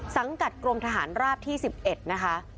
สังกัดกรมทหารราบที่๑๑นะคะ